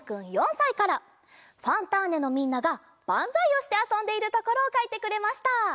「ファンターネ！」のみんながバンザイをしてあそんでいるところをかいてくれました。